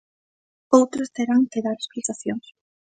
¡Outros terán que dar explicacións!